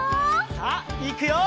さあいくよ！